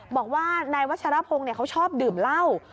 บอกว่านายวัชรพงศ์เขาชอบดื่มเหล้า